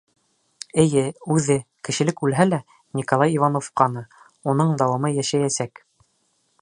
Эйе, үҙе, кешелек үлһә лә Николай Иванов ҡаны, уның дауамы йәшәйәсәк.